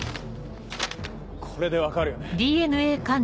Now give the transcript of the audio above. これで分かるよね？